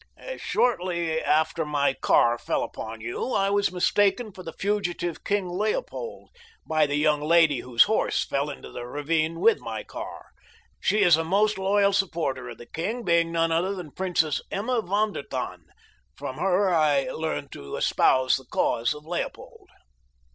"Shortly after my car fell upon you I was mistaken for the fugitive King Leopold by the young lady whose horse fell into the ravine with my car. She is a most loyal supporter of the king, being none other than the Princess Emma von der Tann. From her I learned to espouse the cause of Leopold."